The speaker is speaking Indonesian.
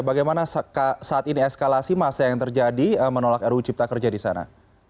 bagaimana saat ini eskalasi masa yang terjadi menolak ruu cipta kerja di sana